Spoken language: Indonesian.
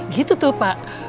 gitu tuh pak